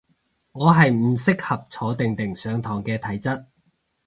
我係唔適合坐定定上堂嘅體質